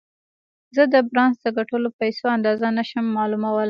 زه د بارنس د ګټلو پيسو اندازه نه شم معلومولای.